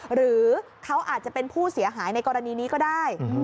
หรือเขาอาจจะเป็นผู้เสียหายในกรณีนี้ก็ได้